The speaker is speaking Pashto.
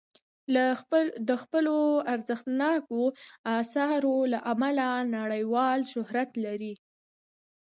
د خپلو ارزښتناکو اثارو له امله نړیوال شهرت لري.